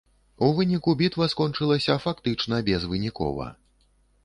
У выніку бітва скончылася фактычна безвынікова.